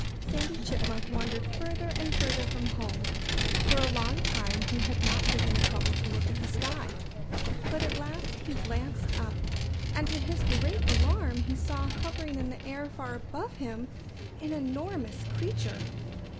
Sandy Chipmunk wandered further and further from home. For a long time he had not taken the trouble to look at the sky. But at last he glanced up. And to his great alarm he saw, hovering in the air far above him, an enormous creature.